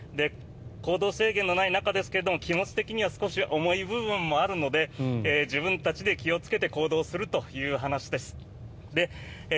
行動制限のない中ですが気持ち的には少し重い部分もあるので自分たちで気をつけて行動するという話です。